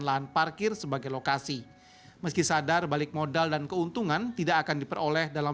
lahan parkir sebagai lokasi meski sadar balik modal dan keuntungan tidak akan diperoleh dalam